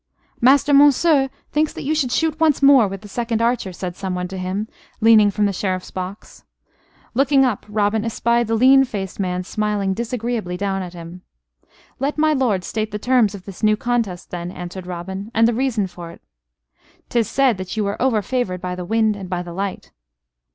"Master Monceux thinks that you should shoot once more with the second archer," said someone to him, leaning from the Sheriff's box. Looking up, Robin espied the lean faced man smiling disagreeably down at him. "Let my lord state the terms of this new contest, then," answered Robin, "and the reason for't." "'Tis said that you were over favored by the wind and by the light."